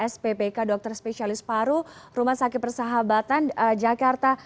sppk dokter spesialis paru rumah sakit persahabatan jakarta